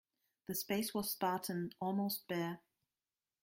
The space was spartan, almost bare.